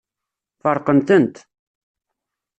Feṛqen-tent.